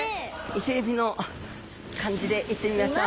イセエビの感じで行ってみましょう。